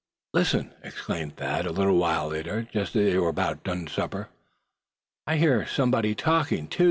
"Listen!" exclaimed Thad, a little while later, just as they were about done supper. "I heard somebody talking, too!"